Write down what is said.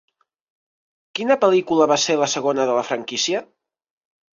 Quina pel·lícula va ser la segona de la franquícia?